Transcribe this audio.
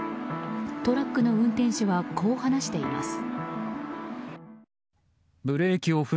トラックの運転手はこう話しています。